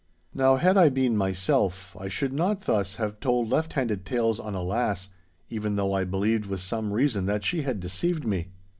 Now, had I been myself, I should not thus have told left handed tales on a lass, even though I believed with some reason that she had deceived me.